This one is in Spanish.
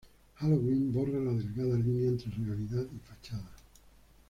Halloween borra la delgada línea entre realidad y fachada.